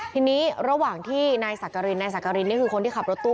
ทีนี้ระหว่างที่นายสักกรินนายสักกรินนี่คือคนที่ขับรถตู้